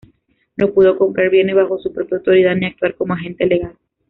No pudo comprar bienes bajo su propia autoridad ni actuar como agente legal.